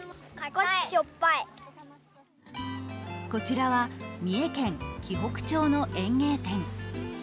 こちらは三重県紀北町の園芸店。